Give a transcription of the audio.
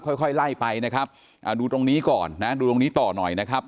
ค่อยค่อยไล่ไปนะครับอ่าดูตรงนี้ก่อนนะดูตรงนี้ต่อหน่อยนะครับ